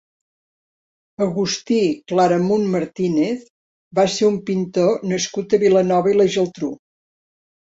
Agustí Claramunt Martínez va ser un pintor nascut a Vilanova i la Geltrú.